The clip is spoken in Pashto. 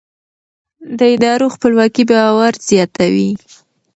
د ادارو خپلواکي باور زیاتوي